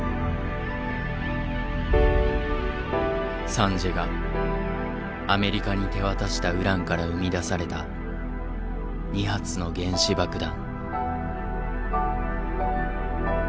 サンジエがアメリカに手渡したウランから生み出された２発の原子爆弾。